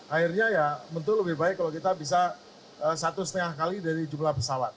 akhirnya ya tentu lebih baik kalau kita bisa satu setengah kali dari jumlah pesawat